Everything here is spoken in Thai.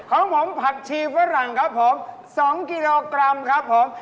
ของผมผักชีฝรั่งครับผม๒กิโลกรัมครับผม